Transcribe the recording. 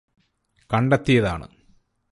കണ്ടെത്തിയതാണ്